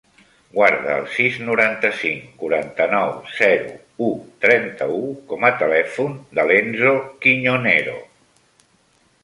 Guarda el sis, noranta-cinc, quaranta-nou, zero, u, trenta-u com a telèfon de l'Enzo Quiñonero.